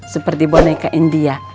seperti boneka india